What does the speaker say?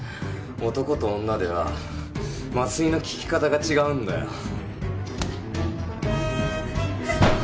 男と女では麻酔の効き方が違うんだよ。